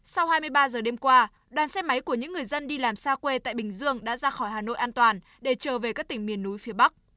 sau hai mươi ba giờ đêm qua đoàn xe máy của những người dân đi làm xa quê tại bình dương đã ra khỏi hà nội an toàn để trở về các tỉnh miền núi phía bắc